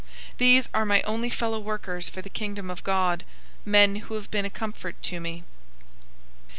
These are my only fellow workers for the Kingdom of God, men who have been a comfort to me.